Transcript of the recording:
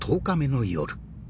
１０日目の夜